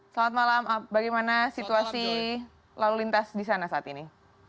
selamat malam bagaimana situasi lalu lintas disana saat ini